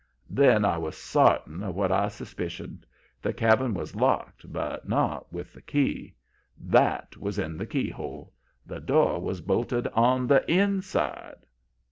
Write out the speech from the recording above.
"Then I was sartin of what I suspicioned. The cabin was locked, but not with the key. THAT was in the keyhole. The door was bolted ON THE INSIDE.